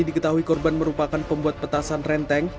diketahui korban merupakan pembuat petasan renteng